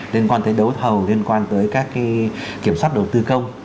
liên quan tới đấu thầu liên quan tới các kiểm soát đầu tư công